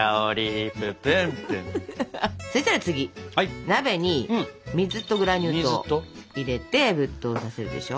そしたら次鍋に水とグラニュー糖入れて沸騰させるでしょ。